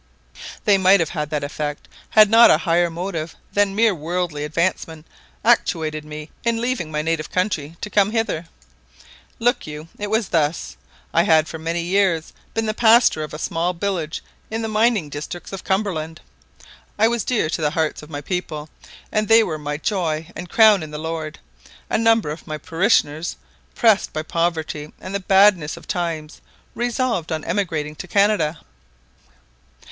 "They might have had that effect had not a higher motive than mere worldly advancement actuated me in leaving my native country to come hither. Look you, it was thus: I had for many years been the pastor of a small village in the mining districts of Cumberland. I was dear to the hearts of my people, and they were my joy and crown in the Lord. A number of my parishioners, pressed by poverty and the badness of the times, resolved on emigrating to Canada.